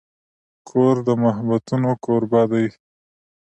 کور د محبتونو کوربه دی.